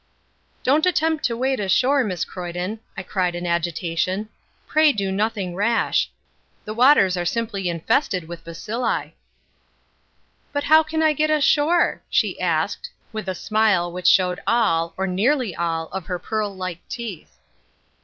"Don't attempt to wade ashore, Miss Croyden," I cried in agitation. "Pray do nothing rash. The waters are simply infested with bacilli." "But how can I get ashore?" she asked, with a smile which showed all, or nearly all, of her pearl like teeth.